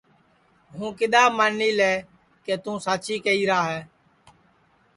ہوں کِدؔا مانی لے کہ توں ساچی کیہرا ہے